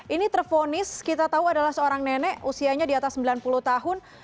ini terfonis kita tahu adalah seorang nenek usianya di atas sembilan puluh tahun